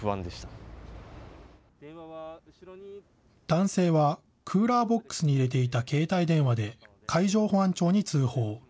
男性はクーラーボックスに入れていた携帯電話で海上保安庁に通報。